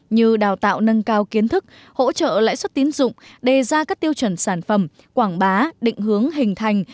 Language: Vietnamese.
như đào tạo nâng cao kiến thức hỗ trợ lãi suất tiến dụng đề ra các tiêu chuẩn sản phẩm quảng bá định hướng hình thành